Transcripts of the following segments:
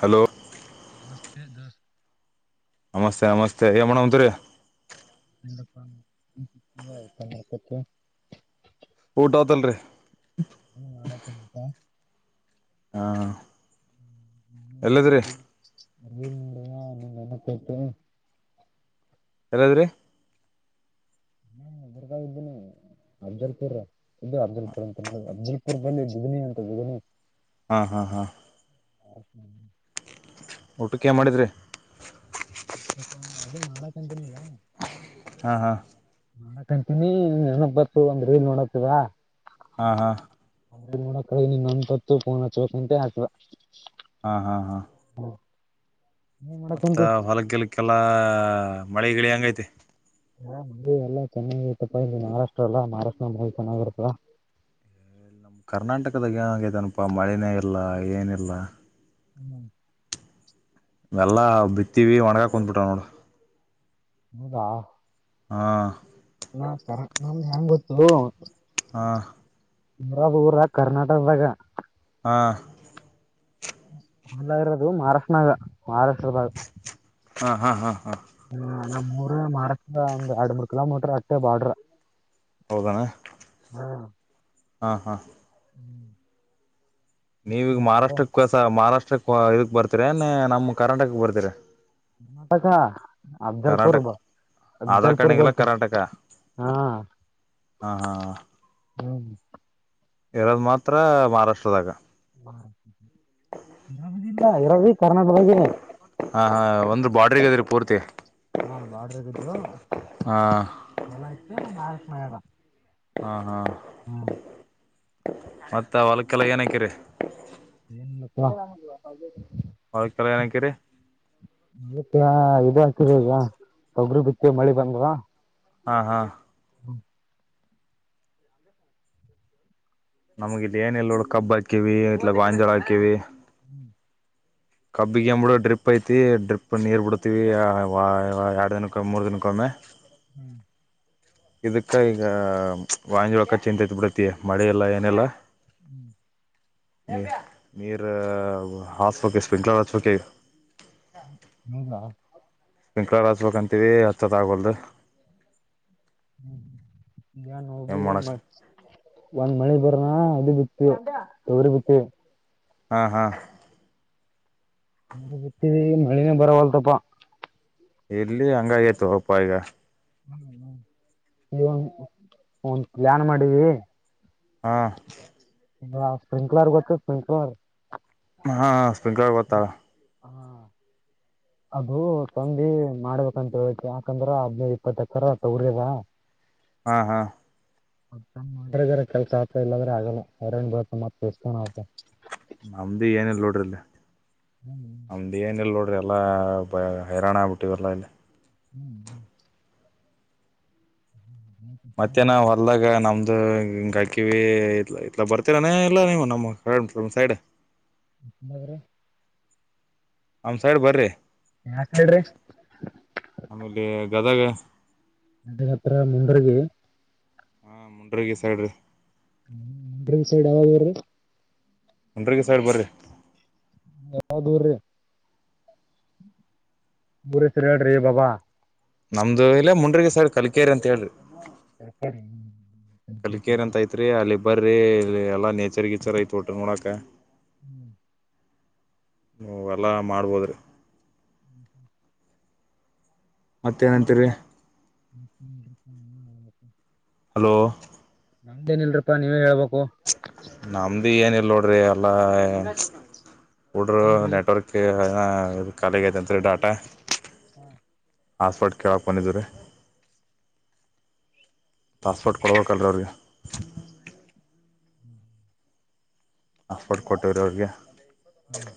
Hello ಹಷ್ಟದ ನಮಸ್ತೆ ನಮಸ್ತೆ ಕಮ್ಮಣ ಅಂತುರಿಯ ಎತ್ತು ಊಟಾ ತಲ್ರೆ ಹ್ಮ ನಳಕಂತ ಹಾ ಎಲ್ಲದ್ರಿ ಅ ಮುಡಾ ನೀವು ಎನ ಕೇತ ಎಲ್ಲಾದ್ರಿ ಹ್ಮ ಇದರ್ಗಾಗ್ದೇನಿ ಅಫಜಲ್ಪುರ್ ಇದ್ದ ಅಫಜಲ್ಪುರ್ ಅಂತ ನ ಅಜಲ್ಪುರ್ದಲ್ಲಿ ಬಿದನಿ ಅಂತ ಬಿದನಿ ಹಾ ಹಾ ಹಾ ಹ ಟೋಕ್ಕೆ ಮಾಡಿದ್ರೀ ಅದೇ ಮಾಡಕಂತೀನಗ ಹಾ ಹಾ ನಾ ಕಂತೀನಿ ನೆನಕ್ ಬರ್ತು ಒಂದ್ ರೀಲ್ ನೋಡತವ ಹಾ ಹಾ ನೋಡಕ ನೀೊಂದ ತತ್ತು ಫೋನ ಹ ಚೋಕಟ ಹಗ್ತವಾ ಹಾ ಹಾ ಹಾ ಏನ್ ಮತ್ತ ಮಾಡಕಂತಿ ಹೊಲಗಲ್ಕ್ಕೆಲ್ಲ ಮಳೆ ಗಿಳಿ ಹಂಗೈತೆ ಹಾ ಮ ಎಲ್ಲ ಚೆನ್ನೈತ್ತಪ್ಪ ಇಲ್ಲಿ ಮಹಾರಾಷ್ಟ್ರ ಅಲ್ಲ ಮಹಾರಾಷ್ಟ್ರ ಮ ಚೆನ್ನಾಗಿರ್ತ್ತ ನಮ್ಮ್ ಕರ್ನಾಟಕದಾಗ ಏನಂಗತನಪ್ಪಾ ಮಳನೇ ಇಲ್ಲ ಏನಿಲ್ಲ ಹ್ಮ್ ವೆಲ್ಲಾ ಬಿತ್ತೀವಿ ಒಣಗಾಕ್ ಕುಂದ್ಬಿಟ ನೋಡ ಹೌದಾ ಹಾ ನತರ ನಮ ಹೆಂಗ್ ಗೊತ್ತು ವಾ ರ ಊರ ಕರ್ನಾಟಕದಾಗ ಹಾ ಹೊಲ್ಲರದು ಮಹಾರಾಷ್ಟ್ರನಾಗ ಮಹಾರಾಷ್ಟ್ರದಾಗ ಹಾ ಹಾ ಹಾ ಹಾ ಹ್ಮ ನಮ್ಮ್ ಮೂರ ಮಾರ ಒಂದ್ ಎರಡ್ ಮೂರ್ ಕಿಲೋಮೀಟ್ರ ಅಟ್ಟೆ ಬಾಡ್ರ ಹೌದಣ ಹಾ ಹಾ. ನೀವಗ ಕರ್ನಾಟಕ ಮಹಾರಾಷ್ಟ್ರಕ್ಕ [inaudible] ಮಹಾರಾಷ್ಟ್ರಕ್ಕೆ ಹೊ ಇದಕ್ ಬರ್ತರ ಎನ್ ನಮ್ ಕರ್ನಾಟಕ ಕ ಬರ್ತೀರ [inaudible] ಅಫಜಲ್ಪುರ್ ಕರ್ನಾಟಕ ಬಂದು ಆಧಾರ್ ಅಫಜಲ್ಪುರ್ ಕಾರ್ಡ್ನಾಗೆಲ್ಲ ಬತಿ ಕರ್ನಾಟಕ ಹಾ ಹಾ ಇರದ್ ಮಾತ್ರ ಮಹಾರಾಷ್ಟ್ರದಾಗ [inaudible] ಇರದ ಈಗ ಕರ್ನಾಟಕ ದಾಗ ಈನಿ ಹಾ ಹಾ ಒಂದ್ರ ಬಾಡ್ರಿಗ ಅದ್ರಿ ಪೂರ್ತಿ ಹಾ ಹಾ ಹಾ [unintelligible] ಮತ್ತ ಹೊಲಕ್ಕೆಲ್ಲ ಏನಾಕಿರಿ,? [unintelligible] ಅವಕೆಲ್ಲ ಏನಕ್ಕರಿ [unintelligible] ಯಚ್ಚರೀಗೆ ತೊಗರಿ ಬಿತ್ತವಿ ಮಳಿ ಬಂದವ ಹಾ ಹಾ ಹ್ಮ್ ನಮ್ಗ ಇಲ್ಲಿ ಏನ ಇಲ್ ನೋಡು ಕಬ್ ಹಾಕಿವಿ ಇಟ್ಲಾಗ್ ಗಾಂಜಾಳ ಹಾಕಿವಿ [unintelligible] ಕಬ್ಬಿಗೆ ಎನ್ ಬಿಡು ಡ್ರಿಪ್ ಐತಿ ಡ್ರಿಪ್ ನೀರು ಬಿಡ್ತೀವಿ ಎರಡು ದಿನಕ್ಕೋಮ ಮೂರು ದಿನಕ್ಕೊಮ್ಮೆ ಹ್ಮ್ ಇದಕ್ಕ ಈಗ [unintelligible] ಚಿಂತೆೈತ್ ಹತ್ತತಿ ಮಳಿ ಇಲ್ಲ ಏನಿಲ್ಲ ಹ್ಮ್ ನೀರ [unintelligible] [unintelligible] ನಿಮಗಾ ಪಂಕಳ ಹಚ್ಬೇಕಂತೀವಿ ಹಚ್ಚದ ಆಗ್ವದು ಹ್ಮ ನಾನ್ ಹೋಗಿ ಮಾಡಕ್ ಮ ಒಂದ್ ಮಳೆ ಬ [inaudible] ಬಿತಿವಿ ತೊಗರಿ ಬಿತಿವಿ ಹಾ ಹಾ [unintelligible] ಮಳಿನೆ ಬರವಲ್ತಪ್ಪ ಇಲ್ಲಿ ಹಂಗಾಗಿತೋಪ್ಪ ಈಗ ಈಗ್ ಒಂದ ಪ್ಲ್ಯಾನ್ ಮಾಡಿವಿ ಹಾ ಹ ಸ್ಪ್ರಿಂಕ್ಲರ್ ಗೊತ್ತ ಸ್ಪ್ರಿಂಕ್ಲರ್ ಹಾ ಹಾ ಸ್ಸ್ಪ್ರಿಂಕ್ಲರ್ ಗೊತ್ತಾ ಆ ಅದು ಸಂದಿ ಮಾಡ್ಬೇಕಂತ ಹೇಳಿ ಯಾಕಂದ್ರ ಹದನೈದ ಇಪ್ಪತ್ತೇಕರ್ ತೊಗರಿ ಆದ ಹಾ ಹಾ ಮಾಡಿದ್ರ ಕೆಲ್ಸ ಆಗ್ತದ ಇಲ್ಲಂದ್ರ ಆಗಲ್ಲ [unintelligible] [inaudible] ನಮ್ಡೆನಿಲ್ ನೋಡ್ ಎಲ್ಲ ಬ ಹೈರಾಣ ಆಗ್ಬಿಟ್ಟಿವಲ್ಲ ಇಲ್ಲಿ ಹ್ಮ್ ಹ್ಮ. ಮತ್ತ್ಯಾನ ಹೊಲ್ದಾಗ ನಮ್ದ. ಗಾಯಕಿವಿ ಇ ಇಲ ಬರ್ತೀರಾನೇ ಎಲ್ಲ ನೀವು ನಮ್ಮ್ ಸೈಡ್. ಾದ್ರ ನಮ್ಮ್ ಸೈಡ್ ಬರ್ರಿ. ಯಾಕ್ ಹೇಳ್ರಿ ಕದೇ ಅದತ್ರ ಮುಂಡರ್ಗಿ. ಹಾ ಮುಂಡ್ರಗಿ ಸೈಡ್ ರೀ. ಹ್ಮ ಮುಂಡರ್ಗಿ ಸೈಡ್ ಯಾವ್ ಊರ್ರೀ. ಮುಂಡರ್ಗಿ ಸೈಡ್ ಬರೀ. ಬಾಳ, ದೂರ್, ರೀ.. [inaudible] ಊರ, ಹೆಸರ ಹೇಳ್ರಿ ಬಾಬಾ. [inaudible] ನಮ್ದು, ಇಲ್ಲ ಮುಂಡ್ರಿಗಿ, ಸರ್ ಕಲಿಕೇರಿ, ಅಂತ ಹೇಳ್ರೀ. [inaudible] ಕಲಿಕೇರಿ, ಅಂತ, ಐತ್ರಿ ಅಲ್ಲಿ. [inaudible] ಬರ್ರಿ, ಎಲ್ಲಾ, ನೇಚರ್, ಗೀಚರ್ ಐತ, ಊಟ, ಮಾಡೋಕಾ, ನೋಡಾಕ. [inaudible] ಹ್ಮ್. [inaudible] ನೀವ್, ಹೊಲ, ಮಾರುಬೋಹುದುರಿ. [inaudible] ಮತ್ತೇ, ಏನಂತೀರಿ.? [inaudible] ಹ.. [unintelligible] ಹಲೋ. [inaudible] ನಮ್ದೇನ್, ಇಲ್ರಾಪ್ಪಾ, ನೀವೇಳ್ಬೇಕು. [inaudible] ಹ-.. [unintelligible] ಬರೀ, ಏನಿಲ್ಲ, ನೋಡ್ರಿ, ಎಲ್ಲಾ.? [inaudible] ಕೊಡ್ರೊ, ಏನ್ರೀ ನೆಟ್ವರ್ಕೆ. [inaudible] ಹ, ಇದು, ಕಾಲಿಹಾಗೈತಂತ್ರಿ ಡಾಟಾ. [inaudible] ಹ್ಮ. [inaudible] ಹಾಟ್ಸ್ಪಾಟ್, ಕೇಳಾಕು, ಬಂದಿದ್ದ್ರೀ ಹಾಟ್ಸ್ಪಾಟ್ ಕೊಡ್ಬೇಕಲ್, ರೀ ಅವ್ರಿಗೆ.? [inaudible] ಹ್ಮ. [inaudible] ಹಾಟ್ಸ್ಪಾಟ್, ಕೊಟ್ಟವ್ರಿ! ಅವ್ರಿಗೆ.. [inaudible] ಹ್ಮ,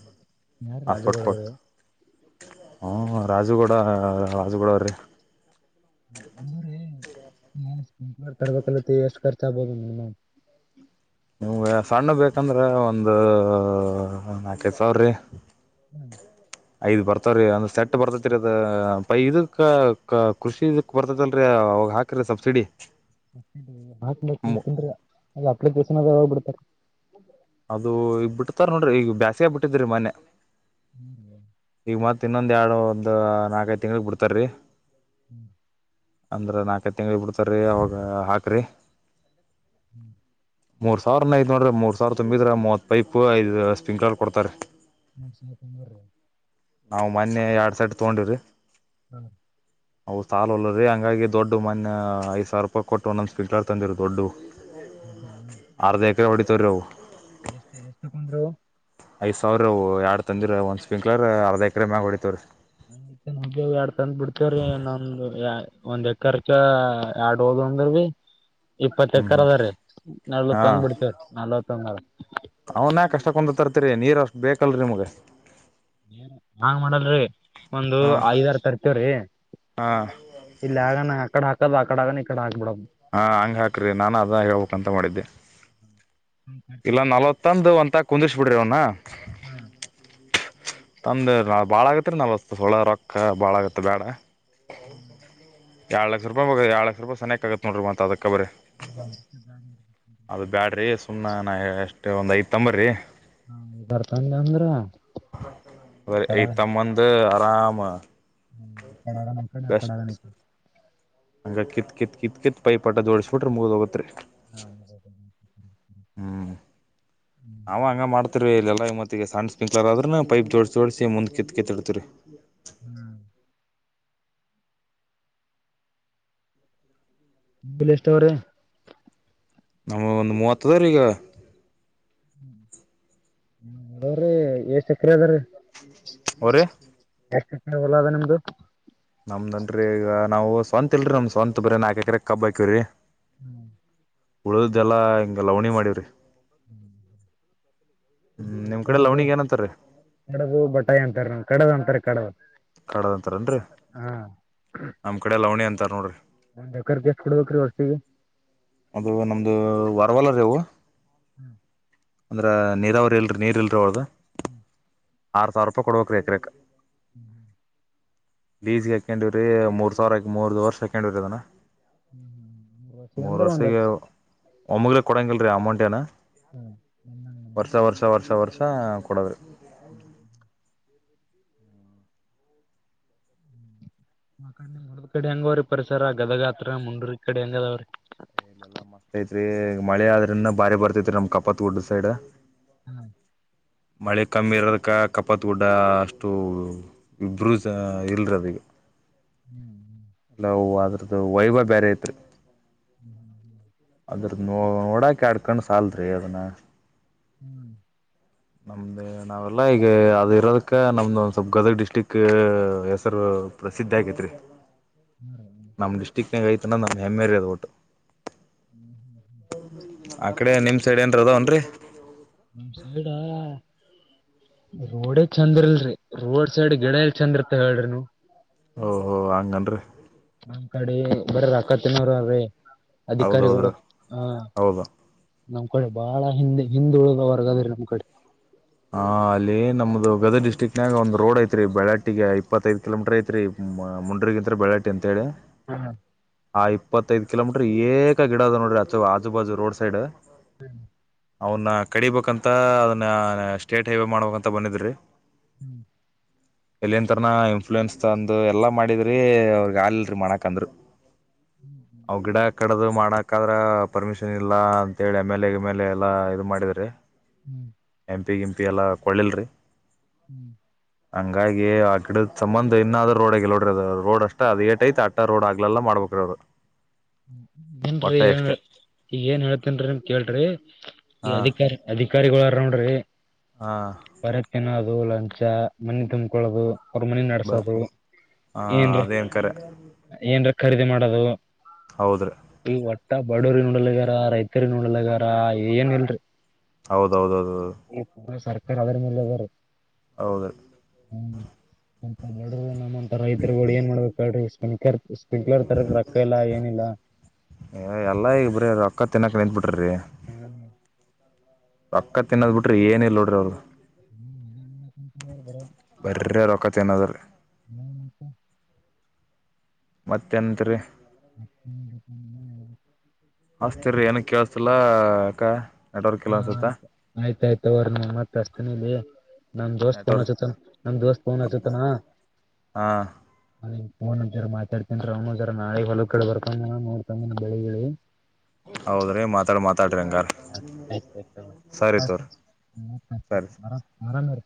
ಯಾರು ರಾಜುಗೌಡ.? ಅವರ. [inaudible] ಹಾ, ರಾಜುಗೌಡ, ರಾಜುಗೌಡ, ಅವ್ರೀ. [unintelligible] ಹ್ಮ್ಮ್, ರಿ, ಹ್ಮ. [inaudible] ಹೇಳಾ, ತರುಬೇಕಾಲಾ! ಹ್ಯಾಂಟಿ, ಕರ್ಬೇಕಲತ್ತ, ಎಷ್ಟು, ಖರ್ಚ ಆಗ್ಬೋದು ನಾವು--. [inaudible] ನಿಮ್ಗೆ, ಸಣ್ಣದು, ಬೇಕಂದ್ರೆ. ಒಂದು ನಾಲ್ಕೈದು ಸಾವಿರ ರೀ. [inaudible] ಹ್ಮ್. [inaudible] ಐದ್, ಬರ್ತವ್ರೀ! ಒಂದ್ ಸೆಟ್ ಬರ್ತೈತಿರಿ ಅದು ಪೈ ಇದಕ್ ಕೃಷಿ ಇದಕ್ ಬರ್ತೈತಿಲ್ರರಿ, ಅವಾಗ ಹಾಕ್ರಿದೇ, ಸಬ್ಸಿಡಿ. [inaudible] ಬಾತು, ಮಾಡುತ್ತೀನಿ, ತಿಂದು, ಇಲ್ಲಾ, ಅದು, ಅಪ್ಪಿಲಿ. [inaudible] ಚೆನ್ನಾಗಿ, ಹೋಗ್ಬಿಡ್ತಾರೆ. [inaudible] ಅದು, ಈಗ್ ಬಿಡ್ತಾರೆ,, ನೋಡ್ರಿ. ಈಗ ಬ್ಯಾಸಿಗೆಗೆ, ಬಿಟ್ಟಿದ್ರಿ ಮೊನ್ನೆ. [inaudible] ಹ್ಮ್. [inaudible] ಈಗ, ಮತ್ ಇನ್ನೊಂದು, ಎರಡು ಒಂದು ನಾಲ್ಕೈದು, ತಿಂಗಳು, ಬಿಡ್ತಾರೀ. [inaudible] ಹ್ಮ್.... [inaudible] ಅಂದ್ರ, ನಾಲ್ಕೈ, ತಿಂಗಳಿಗೆ ಬಿಡ್ತಾರಿ! ಅವಾಗ ಹಾಕ್ರಿ. [inaudible] ಹ್ಮ್... [inaudible] ಮೂರ್, ಸಾವಿರನ, ಇದು, ನೋಡ್ರೆ ಮೂರ್ ಸಾವಿರ, ತುಂಬಿದ್ರೆ? ಮೂವತ್ ಪೈಪ್, ಐದು ಸ್ಪಿಂಕರ್ಲ್ಲಿ, ಕೊಡ್ತಾರೆ. [inaudible] ಮೂರು, ಸಾವಿರ, ತುಂಬುವುದಿರಿ. [inaudible] ನಾವು, ಮೊನ್ನೆ, ಎರಡ್ ಸೈಟ್, ತಗೊಂಡಿರಿ. [inaudible] ಹ್ಮ.... [inaudible] ಅವು, ಸಾಲ, ಅಲ್ಲರಿ, ಹಂಗಾಗಿ! ದೊಡ್ಡ, ಮೊನ್ನೆ ಐದ ಸಾವಿರ, ರೂಪಾಯಿ, ಕೊಟ್ಟು, ಒಂದೊಂದ ಸ್ಪಿನ ಕ್ಲರ್, ತಂದಿರಿ ದೊಡ್ಡು. [inaudible] ಅರ್ಧ. [unintelligible] ರೌಡುತಾರ್ರಿ, ಅವು. [inaudible] ಎಷ್ಟೇ, ಎಷ್ಟು, ತಕೊಂಡ್ರಿಯವು. [inaudible] ಐದ್ ಸಾವಿರ ಎರಡ್ ತಂದ ಒಂದು ಸ್ಪಿಂಕ್ಲರ್ ಅರ್ಧ ಎಕರೆ ಮ್ಯಾಗ ಹೊಡಿತವ ರೀ ಆ ನ ಎರಡ್ ತಂದ ಬಿಡ್ತೇವ್ರಿ ನೊಂದು ಒಂದ್ ಎಕರ್ಕ್ಕ ಎರಡ್ ಹೋದ್ ಅಂದ್ರ ಭೀ ಇಪ್ಪತ್ತ ಹ್ಮ್ ಎಕರೆ ಹ್ಮ್ ಅದ ರೀ ನಲ್ವತ್ ಹಾ ತಂದ್ ಬಿಡ್ತೀವ ನಾಲ್ವತ್ [unintelligible] ಅವನ ಕಷ್ಟಕ್ಕಂದ ತರ್ತರಿ ನೀರ್ ಅಷ್ಟ್ ಬೇಕಲ್ರರಿ ನಿಮ್ಗ. ಹಾಂಗ ಮಾಡಲ್ರಿ ಒಂದು ಹಾ ಐದಾರ ತರ್ತೇವ್ರಿ ಹಾ ಇಲ್ಲಿ ಆಗಾನ ಅಕಡೆ ಹಾಕ ಕ ಆ ಕಡ ಈ ಕಡೆ ಹಾಕಿ ಬಿಡುದು ಹಾ ಹಂಗ ಹಾಕ್ರಿ ನಾನು ಅದ ಹೇಳ್ಬೇಕಂತ ಮಾಡಿದ್ದೆ. ಇಲ್ಲ ನಲ್ವತ್ತಂದು ಒಂದ ಕುಂದರಸಿ ಬಿಡಿರ ಅವನ. ಹ್ಮ್ ಒಂದ ನಾ ಭಾಳ ಆಗತ್ತ ರೀ ನಾಲವತ್ತು ಸುಳ ರೊಕ್ಕ ಭಾಳಗತ್ತ ಬೇಡ ಹ್ಮ್ ಎರಡು ಲಕ್ಷ ರೂಪಾಯಿ ಬರ ಎರಡು ಲಕ್ಷ ಸನೀಕ್ ಆಗುತ್ತ ನೋಡ್ರಿ ಮತ್ ಅದಕ ಅದು ಬ್ಯಾಡ್ರಿ ಹ ನಾ ಸುಮ್ಮನೆ ಅಷ್ಟೇ ಒಂದ್ ಐದ ತಂಬ್ರಿ ಹಾ ಬರ್ತನ್ ಅಂದ್ರ ಕ ಸಾಮ [unintelligible] ಹಂಗ ಕಿತ್ ಕಿತ್ ಕಿತ್ ಕಿತ್ ಪೈಪ್ ಅಟ್ ಜೋಡಸ್ ಬಿಟ್ರೆ ಮುಗಿದ್ ಹೋಗತ್ರಿ ಹಾ ಹ್ಮ್ ನಾವು ಹಂಗ ಮಾಡ್ತಿರ್ವಿ ಇಲ್ಲೆಲ್ಲ ಮತ್ತ ಈ ಸಣ್ಣ ಸ್ಪಿಂಕ್ಲರ್ ಆದ್ರ ಪೈಪ್ ಜೋಡಸಿಡಸಿ ಮುಂದ್ ಪೈಪ್ ಕಿತ್ ಕಿತ್ತಿಡ್ತೀವರಿ ಹ್ಮ್ ಬಿಲ್ ಎಷ್ಟ ಅವ್ರ ನಮಗ ಒಂದ ಮೂವತ್ತ ತಗೋರೀಗ ಹೇಳವ್ರಿ ಏಸ ಎಕರೆ ಅದರಿ [unintelligible] ಅಣ್ಣ ಹೊಲ ಅದ ನಿಮ್ದು. ನಮ್ದನ್ರರಿ ಈಗ ನಾವು ಸ್ವಂತ ಇಲ್ರರಿ ನಮ್ದ ಸ್ವಂತ ಬರೆ ನಾಕ ಎಕ್ರರೆ ಕಬ್ಬ ಹಾಕ್ಯಿವರಿ. ಊ ಉಳಿದಿದ್ದೆಲ್ಲಾ ಹಿಂಗ ಲವಣಿ ಮಾಡಿವ್ರಿ. [inaudible] ನಮ್ಮ ಹ್ಮ್ ಕಡೆ ನಿಮ್ ಲವಣಿಗ್ ಏನಂತಾರೀ ಕಡದು ಬಟಾಯಿ ಅಂತಾರ ನಂ ಕಡದು ಅಂತಾರೆ ಕಡದ. ಕಡದಂತರನ್ರಿ. ಹಾ ನಮ್ ಕಡೆ ಲವಣಿ ಅಂತಾರ ನೋಡ್ರಿ. [unintelligible] ಅದು ನಮ್ದು ವಾ ಪರವಲ್ಲ ರೀವು ಹ್ಮ್ ಅಂದ್ರ ನೀರಾವರಿ ಇಲ್ರಿ ನೀರ್ ಇಲ್ರಿ ಅವಾಗ ಹ್ಮ್ ಆರ್ ಸಾವಿರ ರೂಪಾಯಿ ಕೊಡ್ಬೇಕಕ್ ರೀ ಎಕ್ರಕ್ ಹ್ಮ್ ಬೀಸಗೆ ಹಾಕೊಂಡಿವ್ರರಿ ಮೂರ್ ಸಾವಿರಾಕ ಮೂರ್ ವರ್ಷ ಹಾಕೊಂಡವ್ರರಿ ಅದನ [unintelligible] [unintelligible] ಒಮ್ಮಗಲಿ ಕೊಡಂಗಿಲ್ಲ ರೀ ಅಮೌಂಟ್ ಏನ ವರ್ಷ ವರ್ಷ ವರ್ಷ ವರ್ಷ ಹಾ ಕೊಡದು [inaudible] ಇ ಕಡೆ ಹೆಂಗವ್ರಿ ಪರಿಸರ ಗದಗಾತ್ರ ಮುಂದ್ರ ಇ ಕಡೆ ಹೆಂಗದಾವ್ರಿ ಇಲ್ಲಿ ಎಲ್ಲಾ ಮಸ್ತ್ ಐತ್ರಿ ಮಳೆ ಆದ್ರರಿಂದ ಬಾರಿ ಬರ್ತೈತ್ರಿ ನಮ್ ಕಪತ್ ಗುಡ್ ಸೈಡ್ [unintelligible] ಮಳೆ ಕಮ್ಮಿ ಇರೋದಕ್ಕೆ ಕಪಾತ್ ಗುಡ್ಡ ಅಷ್ಟು ಬ್ಬರುೂ ಸ ಇಲ್ರಿ ಅದಿಗೆ ನಾವು ಅದು ಅದ್ರದ್ದು ವೈಭವ ಬೇರೆ ಇತ್ರಿ [unintelligible] ಅದ್ರದ ನ ನೋಡೋಕ ಎರಡು ಕಣ್ಣು ಸಾಲದ್ರಿ ಅದನ್ನ ಹ್ಮ್ ನಮ್ದೇ ನಾವೆಲ್ಲಾ ಈಗ ಅದ ಇರೋದಕ್ಕ ನಮ್ದು ಒಂದ್ ಸ್ವಲ್ಪ್ ಗದಗ ಡಿಸ್ಟಿಕ್ ಹೆಸರು ಪ್ರಸಿದ್ದಿ ಆಗೈತ್ರಿ ಹ್ಮ್ಮ ಹಿಂಗ ಐತಿ ಅಂದ್ರ ಅದು ನಮ್ಮ ಹೇಮ್ಮೆ ರಿ ವೊಟು ಹ್ಮೂ ಹ್ಯೂ ಹೊ ಆ ಕಡೆ ನಿಮ್ ಸೈಡ್ ಏನ್ರ ಅದಾವನ್ರರಿ ನಮ್ಮಸೈಡ್ ರೋಡೇ ಚಂದ್ ಇಲ್ರಿ ರೋಡ್ ಸೈಡ್ ಗಿಡ ಎಲ್ಲಿ ಚಂದ ಇರ್ತವ ಹೇಳ್ರಿ ನೀವು ಓಹೋ ಹಂಗನ್ರಿ. ನಮ್ಮ್ ಕಡೆ ಬರೇ ರೊಕ್ಕ ತಿನ್ನೋರೆ ಅವ್ರೀ. ಹೌದೌದ್ರೀ ಹೌದು. ನಮ್ ಕಡೆ ಬಾಳ ಹಿಂದೆ ಹಿಂದುಳಿದ ವರ್ಗ ಅದರೀ ನಮ್ ಕಡೆ. ಹಾ ಅಲ್ಲಿ ನಮ್ದು ಗದಗ್ ಡಿಸ್ಟ್ರಿಕ್ನಾಗ ಒಂದ್ ರೋಡ್ ಐತ್ರಿ ಬೆಳಾಟಿಗೆ ಇಪ್ಪತ್ತೈಐದು ಕಿಲೋಮೀಟರ್ ಐತ್ರಿ ಮುಂಡ್ರಗಿಂತ್ರ ಬೆಳಾಟಿ ಅಂತೇಳಿ. ಹ್ಮ. ಆ ಇಪ್ಪತ್ತೈದು ಕಿಲೋಮೀಟರ್ ಏಕಾ ಗಿಡ ಅದೆ ನೋಡ್ರಿ ಆಚು ಆಜು ಬಾಜು ರೋಡ್ ಸೈಡ್. ಹ್ಮ. ಅವನ್ನ ಕಡಿಬೇಕಂತ ಅದನ್ನ. ಸ್ಟೇಟ್ ಹೈವೆ ಮಾಡ್ಬೇಕಂತ ಬಂದಿದ್ರಿ. ಹ್ಮ್. ಎಲ್ಲಿನ್ ತರನ ಇನ್ಫ್ಲೂಯೆನ್ಸ್ ತಂದು ಎಲ್ಲಾ ಮಾಡಿದ್ರಿ ಅವ್ರಗ್ ಆಲ್ಲ್ರಿ ಮಾಡಕಂದ್ರು. ಹ್ಮ್, ಹ್ಮ್. [inaudible] ಕಡದು ಮಾಡಕ ಆದ್ರ ಪರ್ಮಿಷನ್ ಇಲ್ಲಾ ಅಂತ ಹೇಳಿ,. ಎಮ್, ಎಲ್, ಎಂ ಗಿ ಎಮ್, ಎಲ್, ಎ ಎಲ್ಲಾ ಇದು ಮಾಡಿದ್ರಿ., - ಹ್ಮ್. [inaudible] ಎಂಪಿ ಗಿಂಪಿ ಎಲ್ಲ ಕೊಳ್ಳಿಲ್ರಿ., - ಹ್ಮ್. [inaudible] ಹಂಗಾಗಿ ಆ ಗಿಡದ ಸಂಬಂದ ಇನ್ನಾದ್ರು ರೋಡ್ ಆಗಿಲ್ಲಾ ನೋಡ್ರಿ ಅದು. ರೋಡ್ ಅಷ್ಟೇ ಅದು ಏಟ್ ಐತೋ ಆಟ್ಟೇ ರೋಡ್ ಹಗ್ಲೆಲ್ಲ ಮಾಡ್ಬಬೇಕ್ರೀ ಅವರು. ಏನ್ ರೀ ಏನ್ ಈಗ ಏನ್ ಹೇಳ್ತೇನ್ರಿನ್ ಕೇಳ್ರಿ., - ಹಾ ಈಅಧಿಕಾರಿ, ಅದಿಕಾರಿ ಅಧಿಕಾರಿಗಳು ಅವ್ರರು ನೋಡ್ರಿ., ಹಾ - ಬರೀ ತಿನ್ನೋದು. ಅದು' ಲಂಚ 'ಮನಿ ತುಂಬಕೊಳ್ಳೋದು. ಹೊರಮನಿ ಬ ನಡೆಸೋದು ಹಾ ಏನ್ರೀ, ಅದೇನ್ ಕರೆ ಏನ್ರಕ. ಖರೀದಿ ಮಾಡೋದು. ಹೌದ್ರಿ ಈ ಹೊ [unintelligible] ತಾ ಬಡವ್ರ ನೋಡಲ್ಗಾರ, ರೈತರಿ ನೋಡಲ್ಗಾರ ಏನ್ ಇಲ್ರಿ., ಹೌದೌದೌದು. - ಹ ಸರ್. [inaudible] ಅವದರ ಮಲವರ [unintelligible] ಹೌದ್ರಿ ಹ್ಮ. [inaudible] ನ [inaudible] ರೈತರುಗಳು ಏನ್ ಮಾಡ್ಬೇಕ್ ಏಳ್ರಿ., ಹಕತ [unintelligible] ಸಿಂಪ್ಲಿರ್ ತರಕ್ಕ ರೊಕ್ಕ ಇಲ್ಲ ಏನಿಲ್ಲ. ಎಲ್ಲಾ ಈಗ ಬರೀ ರೊಕ್ಕ ತಿನ್ನಾಕ್ಕೆ ನಿತ್ ಬಿಟ್ಟಿರೀ-. ಹ್ಮ್. [inaudible] ರೊಕ್ಕ ತಿನ್ನೋದ್ ಬುಟ್ರೆ ಏನೂ ಇಲ್ಲ ನೋಡ್ರಿ ಅವ್ರು. ಹ್ಮರ [inaudible] ಬರ್ರ ರೊಕ್ಕ ತಿನ್ನೋದ್ರಿ,. ಹ್ಮ [inaudible] ಮತ್ತೆಂತ್ರಿ,. [inaudible] ಅಸ್ಟ್ರೇಇರಿ ರೀಏನ್ಕೇಳ್ತಿಲಾ ಅಕ್ಕ. ನೆಟ್ವರ್ಕ್ ಹಾ, ಇಲ್ಲ ಅನ್ಸುತ್ತ ಆಯ್ತ ಆಯ್ತಾಯಯ್ತು. ತೊಗೋಳ್ರಿ ಮತ್ತ ಅಚತಿನಿ., ನಮ ದೋಸ್ತ್ ನೆಟ್ವರ್ಕ್ ಫೋನ್ಚ್ತಾನ, ನಮ ದೋಸ್ತ್ ಫೋನ್ಚ್ತಾನ. ಹಾ ಅವನು ಜರ ಮಾತಾಡ್ತನ್. ಅವನು ಒಂದಜರ ನಾಳೆ ಹೊಲ ಕಡೇ ಬರ್ಕೊಂಡ ನೋಡ್ತ ಬೆಳಿಗ್, ಹೌದ್ರಿ ಮಾತಾಡ, ಮಾತಾಡ್ರಿ ಹಂಗಾರ್. ಸರಿ ಮರ